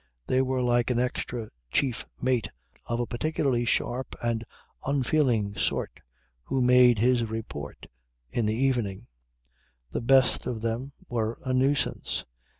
They were like an extra chief mate of a particularly sharp and unfeeling sort who made his report in the evening. The best of them were a nuisance.